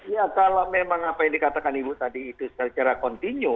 ya kalau memang apa yang dikatakan ibu tadi itu secara kontinu